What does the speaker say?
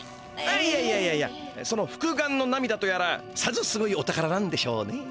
あっいやいやいやいやその複眼の涙とやらさぞすごいお宝なんでしょうね。